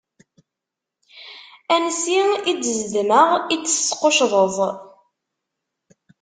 Ansi i d-zedmeɣ, i d-tesquccḍeḍ.